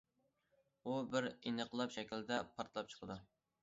ئۇ بىر ئىنقىلاب شەكلىدە پارتلاپ چىقىدۇ.